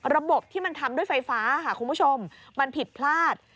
ระบบที่มันทำด้วยไฟฟ้าค่ะคุณผู้ชมมันผิดพลาด